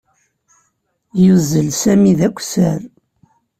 Yuzzel Sami d akessar.